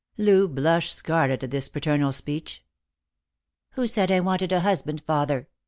Loo blushed scarlet at this paternal speech. " Who said I wanted a husband, father